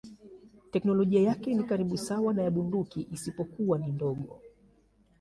Teknolojia yake ni karibu sawa na ya bunduki isipokuwa ni ndogo.